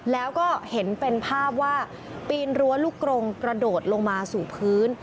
แล้วก็เห็นเป็นภาพว่าปีนรั้วลูกกรงกระโดดลงมาสู่พื้น